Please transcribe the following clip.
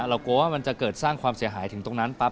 กลัวว่ามันจะเกิดสร้างความเสียหายถึงตรงนั้นปั๊